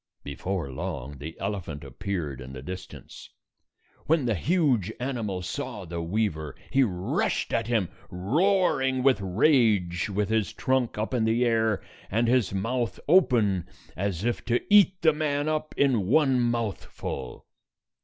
Before long, the elephant appeared in the dis tance. When the huge animal saw the weaver, he rushed at him, roaring with rage, with his trunk up in the air, and his mouth open as if to eat the man up in one mouthful.